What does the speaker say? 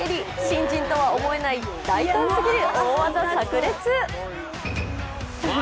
新人とは思えない大胆すぎる大技さく裂。